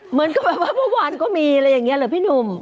เหมือนกับแบบว่าเมื่อวานก็มีอะไรอย่างนี้เหรอพี่หนุ่ม